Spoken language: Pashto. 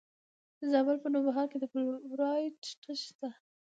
د زابل په نوبهار کې د فلورایټ نښې شته.